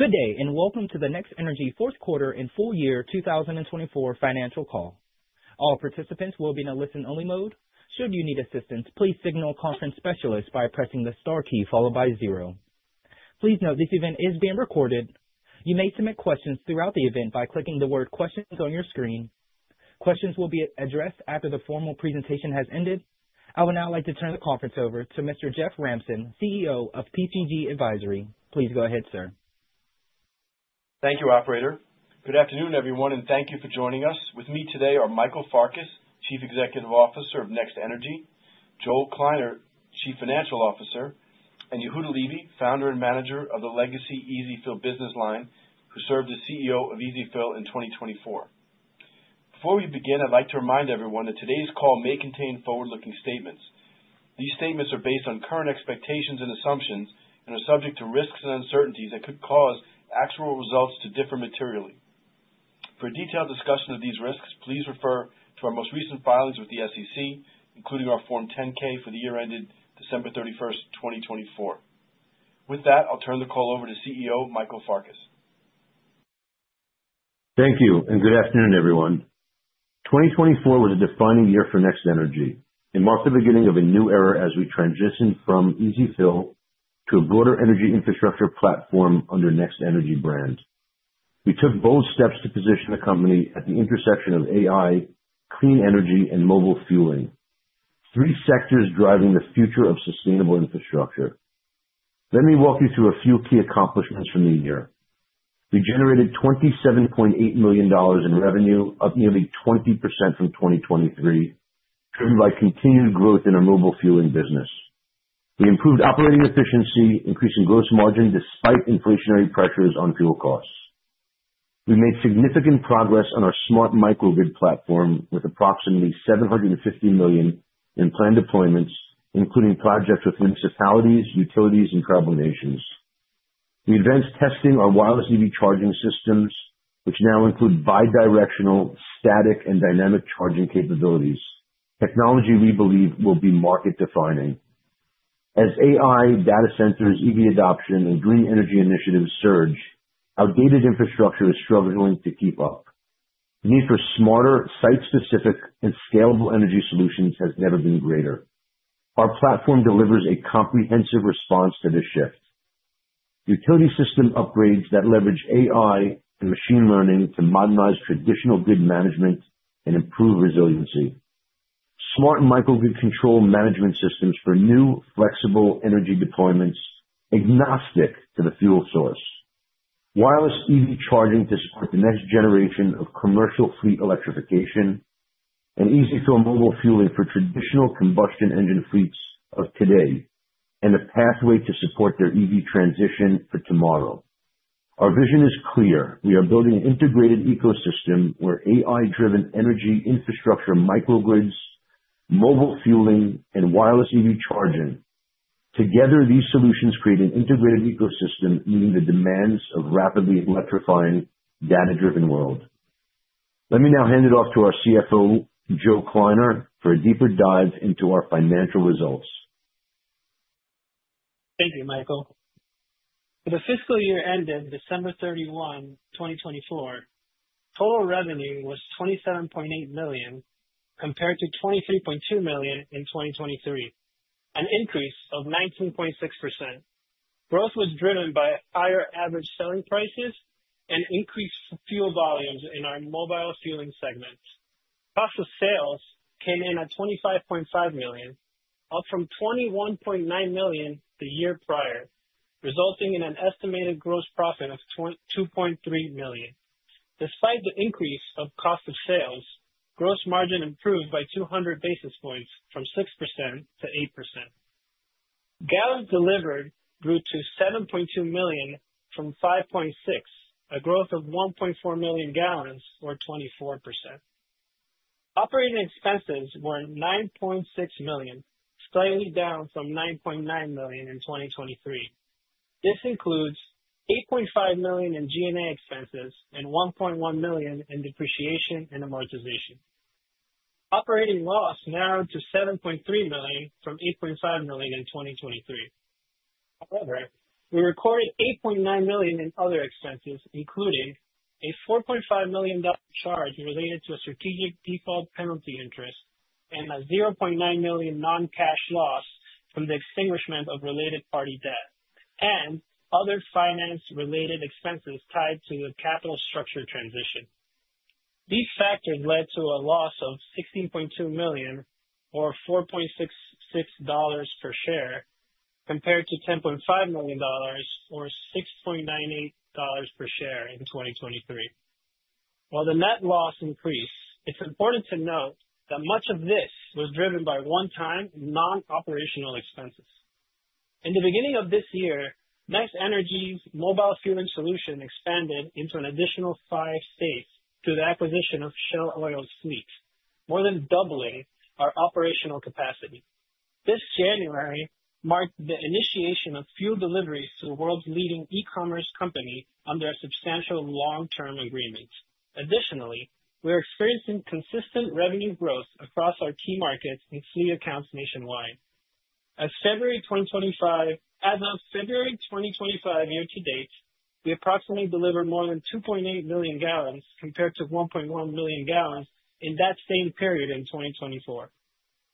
Good day, and welcome to the NextNRG fourth quarter and full year 2024 financial call. All participants will be in a listen-only mode. Should you need assistance, please signal conference specialists by pressing the star key followed by zero. Please note this event is being recorded. You may submit questions throughout the event by clicking the word "questions" on your screen. Questions will be addressed after the formal presentation has ended. I would now like to turn the conference over to Mr. Jeff Ramson, CEO of PCG Advisory. Please go ahead, sir. Thank you, Operator. Good afternoon, everyone, and thank you for joining us. With me today are Michael Farkas, Chief Executive Officer of NextNRG; Joel Kleiner, Chief Financial Officer; and Yehuda Levy, Founder and Manager of the Legacy EZFill Business Line, who served as CEO of EZFill in 2024. Before we begin, I'd like to remind everyone that today's call may contain forward-looking statements. These statements are based on current expectations and assumptions and are subject to risks and uncertainties that could cause actual results to differ materially. For a detailed discussion of these risks, please refer to our most recent filings with the SEC, including our Form 10-K for the year ended December 31st, 2024. With that, I'll turn the call over to CEO Michael Farkas. Thank you, and good afternoon, everyone. 2024 was a defining year for NextNRG. It marked the beginning of a new era as we transitioned from EzFill to a broader energy infrastructure platform under the NextNRG brand. We took bold steps to position the company at the intersection of AI, clean energy, and mobile fueling—three sectors driving the future of sustainable infrastructure. Let me walk you through a few key accomplishments from the year. We generated $27.8 million in revenue, up nearly 20% from 2023, driven by continued growth in our mobile fueling business. We improved operating efficiency, increasing gross margin despite inflationary pressures on fuel costs. We made significant progress on our smart microgrid platform with approximately $750 million in planned deployments, including projects with municipalities, utilities, and tribal nations. We advanced testing our wireless EV charging systems, which now include bidirectional, static, and dynamic charging capabilities, technology we believe will be market-defining. As AI, data centers, EV adoption, and green energy initiatives surge, outdated infrastructure is struggling to keep up. The need for smarter, site-specific, and scalable energy solutions has never been greater. Our platform delivers a comprehensive response to this shift: utility system upgrades that leverage AI and machine learning to modernize traditional grid management and improve resiliency, smart microgrid control management systems for new, flexible energy deployments agnostic to the fuel source, wireless EV charging to support the next generation of commercial fleet electrification, and EzFill mobile fueling for traditional combustion engine fleets of today, and a pathway to support their EV transition for tomorrow. Our vision is clear. We are building an integrated ecosystem where AI-driven energy infrastructure microgrids, mobile fueling, and wireless EV charging together. These solutions create an integrated ecosystem meeting the demands of a rapidly electrifying, data-driven world. Let me now hand it off to our CFO, Joel Kleiner, for a deeper dive into our financial results. Thank you, Michael. For the fiscal year ended December 31, 2024, total revenue was $27.8 million compared to $23.2 million in 2023, an increase of 19.6%. Growth was driven by higher average selling prices and increased fuel volumes in our mobile fueling segment. Cost of sales came in at $25.5 million, up from $21.9 million the year prior, resulting in an estimated gross profit of $2.3 million. Despite the increase of cost of sales, gross margin improved by 200 basis points from 6% to 8%. Gallons delivered grew to 7.2 million from 5.6 million, a growth of 1.4 million gallons, or 24%. Operating expenses were $9.6 million, slightly down from $9.9 million in 2023. This includes $8.5 million in G&A expenses and $1.1 million in depreciation and amortization. Operating loss narrowed to $7.3 million from $8.5 million in 2023. However, we recorded $8.9 million in other expenses, including a $4.5 million charge related to a strategic default penalty interest and a $0.9 million non-cash loss from the extinguishment of related party debt and other finance-related expenses tied to the capital structure transition. These factors led to a loss of $16.2 million, or $4.66 per share, compared to $10.5 million, or $6.98 per share in 2023. While the net loss increased, it's important to note that much of this was driven by one-time non-operational expenses. In the beginning of this year, NextNRG's mobile fueling solution expanded into an additional five states through the acquisition of Shell Oil Fleets, more than doubling our operational capacity. This January marked the initiation of fuel deliveries to the world's leading e-commerce company under a substantial long-term agreement. Additionally, we are experiencing consistent revenue growth across our key markets and fleet accounts nationwide. As of February 2025 year to date, we approximately delivered more than 2.8 million gallons compared to 1.1 million gallons in that same period in 2024.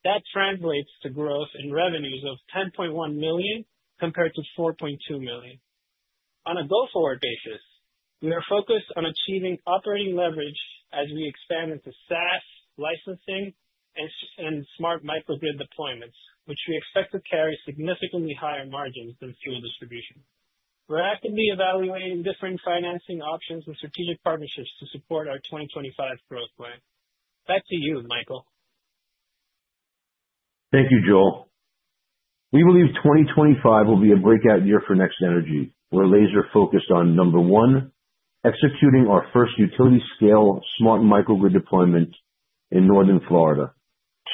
That translates to growth in revenues of $10.1 million compared to $4.2 million. On a go-forward basis, we are focused on achieving operating leverage as we expand into SaaS licensing and smart microgrid deployments, which we expect to carry significantly higher margins than fuel distribution. We are actively evaluating different financing options and strategic partnerships to support our 2025 growth plan. Back to you, Michael. Thank you, Joel. We believe 2025 will be a breakout year for NextNRG. We're laser-focused on, number one, executing our first utility-scale smart microgrid deployment in Northern Florida,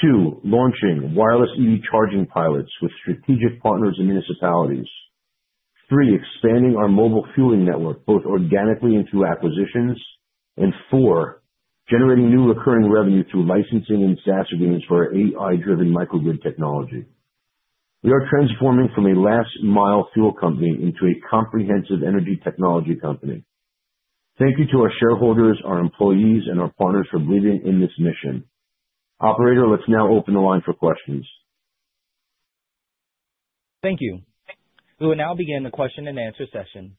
two, launching wireless EV charging pilots with strategic partners and municipalities, three, expanding our mobile fueling network both organically and through acquisitions, and four, generating new recurring revenue through licensing and SaaS agreements for our AI-driven microgrid technology. We are transforming from a last-mile fuel company into a comprehensive energy technology company. Thank you to our shareholders, our employees, and our partners for believing in this mission. Operator, let's now open the line for questions. Thank you. We will now begin the question-and-answer session.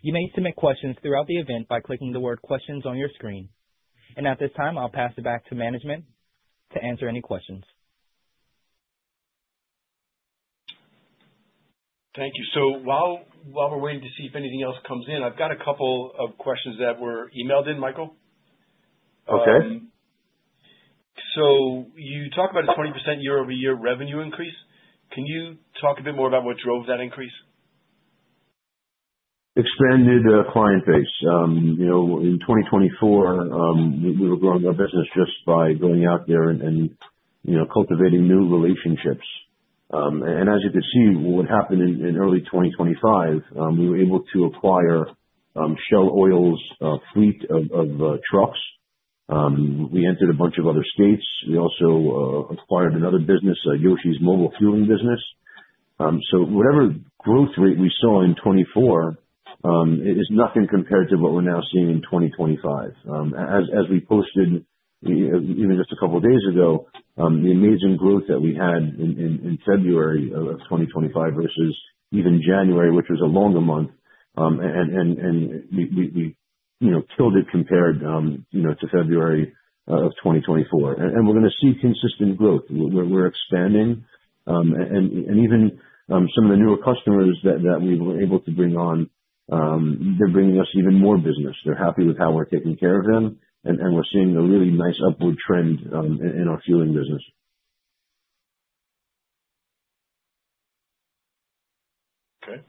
You may submit questions throughout the event by clicking the word "questions" on your screen. At this time, I'll pass it back to management to answer any questions. Thank you. While we're waiting to see if anything else comes in, I've got a couple of questions that were emailed in, Michael. Okay. You talked about a 20% year-over-year revenue increase. Can you talk a bit more about what drove that increase? Expanded client base. In 2024, we were growing our business just by going out there and cultivating new relationships. As you could see, what happened in early 2025, we were able to acquire Shell Oil's fleet of trucks. We entered a bunch of other states. We also acquired another business, Yoshi's mobile fueling business. Whatever growth rate we saw in 2024 is nothing compared to what we are now seeing in 2025. As we posted even just a couple of days ago, the amazing growth that we had in February of 2025 versus even January, which was a longer month, and we killed it compared to February of 2024. We are going to see consistent growth. We are expanding. Even some of the newer customers that we were able to bring on, they are bringing us even more business. They are happy with how we are taking care of them. We are seeing a really nice upward trend in our fueling business. Okay.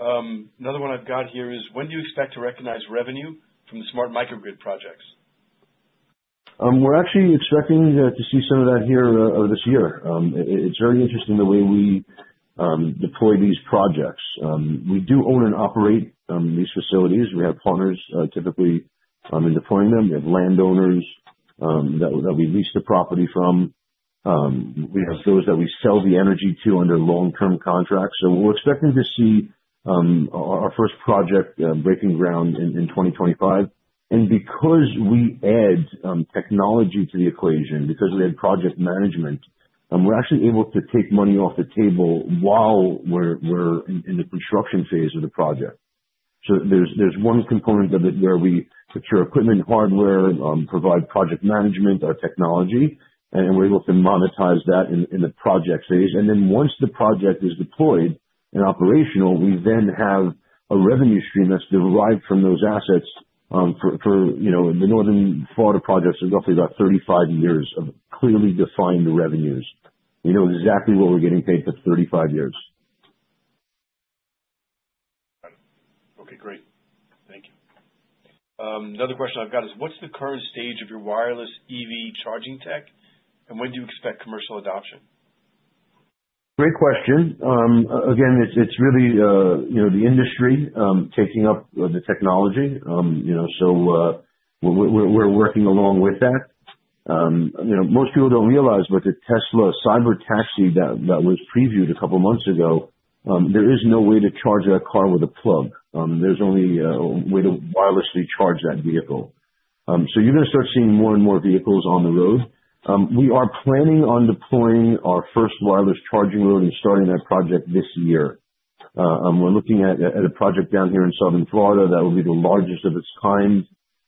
Another one I've got here is, when do you expect to recognize revenue from the smart microgrid projects? We're actually expecting to see some of that here this year. It's very interesting the way we deploy these projects. We do own and operate these facilities. We have partners typically in deploying them. We have landowners that we lease the property from. We have those that we sell the energy to under long-term contracts. We are expecting to see our first project breaking ground in 2025. Because we add technology to the equation, because we add project management, we're actually able to take money off the table while we're in the construction phase of the project. There is one component of it where we procure equipment and hardware, provide project management, our technology, and we're able to monetize that in the project phase. Once the project is deployed and operational, we then have a revenue stream that's derived from those assets for the northern Florida projects of roughly about 35 years of clearly defined revenues. We know exactly what we're getting paid for 35 years. Got it. Okay, great. Thank you. Another question I've got is, what's the current stage of your wireless EV charging tech, and when do you expect commercial adoption? Great question. Again, it's really the industry taking up the technology. We are working along with that. Most people don't realize, but the Tesla Cybertaxi that was previewed a couple of months ago, there is no way to charge that car with a plug. There is only a way to wirelessly charge that vehicle. You are going to start seeing more and more vehicles on the road. We are planning on deploying our first wireless charging road and starting that project this year. We are looking at a project down here in southern Florida that will be the largest of its kind,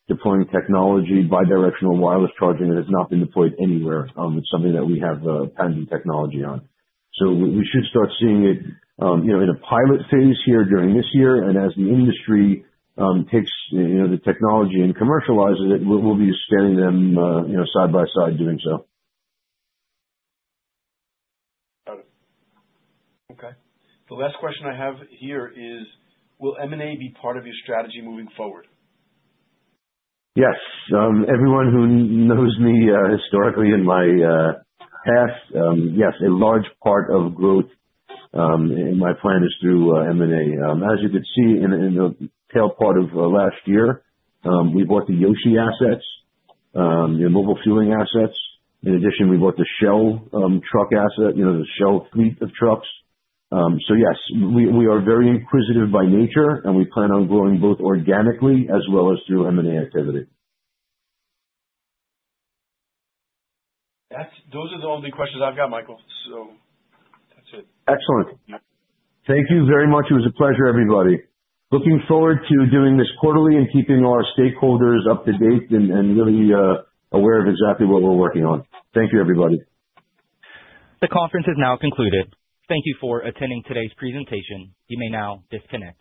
deploying technology, bidirectional wireless charging that has not been deployed anywhere. It is something that we have patented technology on. We should start seeing it in a pilot phase here during this year. As the industry takes the technology and commercializes it, we'll be standing them side by side doing so. Got it. Okay. The last question I have here is, will M&A be part of your strategy moving forward? Yes. Everyone who knows me historically in my past, yes, a large part of growth in my plan is through M&A. As you could see in the tail part of last year, we bought the Yoshi assets, the mobile fueling assets. In addition, we bought the Shell truck asset, the Shell fleet of trucks. Yes, we are very inquisitive by nature, and we plan on growing both organically as well as through M&A activity. Those are all the questions I've got, Michael. That's it. Excellent. Thank you very much. It was a pleasure, everybody. Looking forward to doing this quarterly and keeping our stakeholders up to date and really aware of exactly what we're working on. Thank you, everybody. The conference is now concluded. Thank you for attending today's presentation. You may now disconnect.